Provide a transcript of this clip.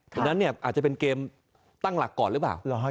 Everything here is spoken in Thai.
เพราะฉะนั้นอาจจะเป็นเกมตั้งหลักก่อนหรือเปล่า